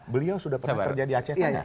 beliau sudah pernah terjadi acetanya